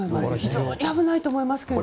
でも危ないと思います。